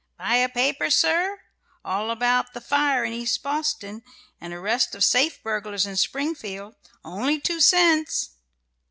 "Buy a paper, sir? All about the fire in East Boston, and arrest of safe burglars in Springfield. Only two cents!"